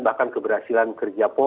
bahkan keberhasilan kerja polri